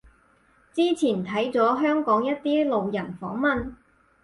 之前睇咗香港一啲路人訪問